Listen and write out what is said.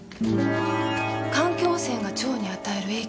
環境汚染が蝶に与える影響ですか？